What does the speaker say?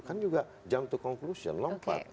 kan juga jump to conclusion lompat